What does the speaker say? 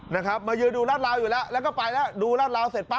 นะครับมายืนดูรัดราวอยู่แล้วแล้วก็ไปแล้วดูรัดราวเสร็จปั๊